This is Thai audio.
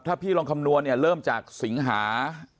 ถ้าพี่ลองคำนวณเนี่ยเริ่มจากสิงหา